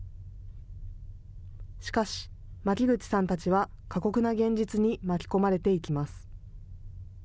しかし巻口さんたちは過酷な現実に巻き込まれていきます。